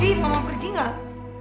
pergi mama pergi enggak